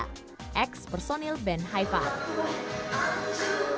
dan juga eks personil band haifeng